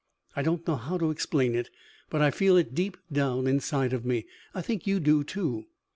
I don't know how to explain it, but I feel it deep down inside of me. I think you do, too."